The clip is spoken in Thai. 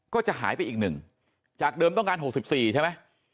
ก็จะหายไปอีก๑จากเดิมต้องการ๖๔ใช่ไหม